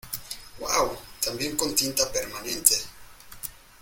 ¡ Uau! ¡ también con tinta permanente !